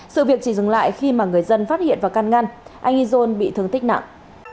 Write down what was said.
sự việc chỉ dừng lại khi mà người dân phát hiện và can ngăn anh izon bị thương tích nặng